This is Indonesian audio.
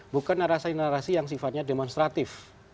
bukan narasi narasi yang sifatnya demonstratif